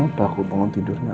kenapa aku bangun tidur nangis